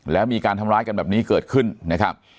แล้วมีการทำร้ายกันแบบนี้เกิดขึ้นนะครับ